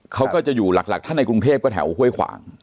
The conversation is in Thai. เขาก็จะอยู่หลักถ้าในกรุงเทพก็แถวห้วยขวาง